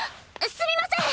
すみません！